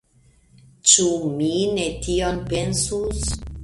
Ĉu mi ne tion pensus!